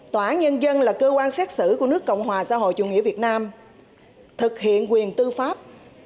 tòa án nhân dân là cơ quan xét xử của nước cộng hòa xã hội chủ nghĩa việt nam thực hiện quyền tư pháp